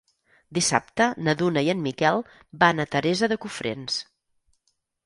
Dissabte na Duna i en Miquel van a Teresa de Cofrents.